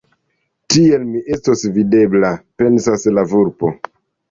“Tiel, mi estos videbla!” pensas la vulpo.